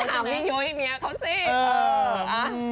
เว้นถามพี่ยุ้ยเพื่อนเมียเขาสิ